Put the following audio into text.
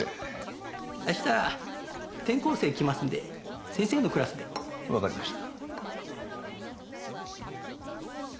明日転校生来ますんで先生のクラスで。わかりました。